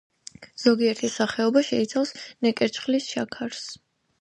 ზოგიერთი სახეობა შეიცავს „ნეკერჩხლის შაქარს“.